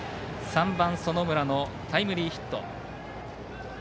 ３番、園村のタイムリーヒット。